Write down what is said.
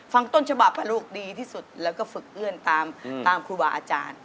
ฟังต้นฉบับลูกดีที่สุดแล้วก็ฝึกเอื้อนตามครูบาอาจารย์